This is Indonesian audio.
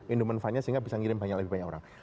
indument fund nya sehingga bisa mengirim lebih banyak orang